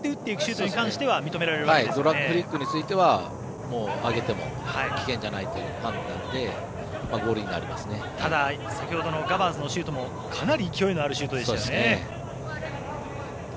ドラッグフリックについては上げても危険じゃないという判断でただ、先ほどのガバーズのシュートもかなり勢いのあるシュートでしたね。